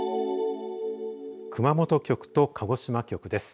熊本局と鹿児島局です。